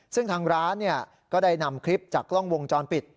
ซึ่งทางร้านก็ได้นำคลิปจากกล้องวงจรปิด